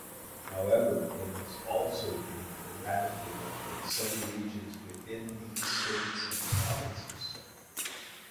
However, it has also been eradicated from some regions within these states and provinces.